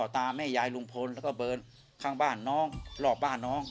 ตาแม่ยายลุงพลแล้วก็เบิร์นข้างบ้านน้องรอบบ้านน้อง